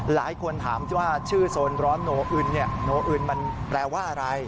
หลายคนถามที่ว่าชื่อโซนร้อนโนอึนโนอึนมันแปลว่าอะไร